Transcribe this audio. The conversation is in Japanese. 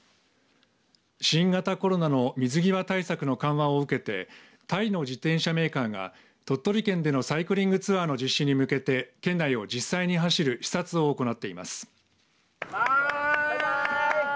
新型コロナの水際対策の緩和を受けてタイの自転車メーカーが鳥取県でのサイクリングツアーの実施に向けて県内を実施に走る視察を行っています。